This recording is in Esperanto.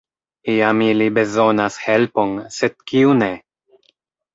Iam ili bezonas helpon, sed kiu ne?